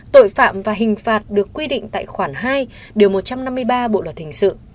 tội phạm và hình phạt được quy định tại khoản hai điều một trăm năm mươi ba bộ luật hình sự